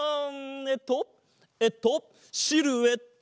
えっとえっとシルエット！